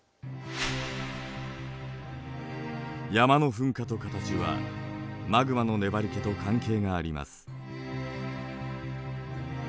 山の噴火と形はマグマの粘りけと関係があります。